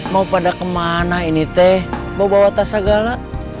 mau pada kemana ini teh bawa tas segala